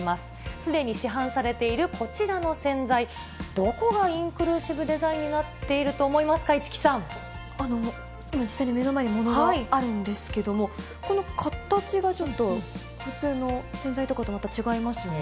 すでに市販されているこちらの洗剤、どこがインクルーシブデザインになっていると思いますか、市來さ目の前に物があるんですけれども、この形がちょっと普通の洗剤とかとまた違いますよね。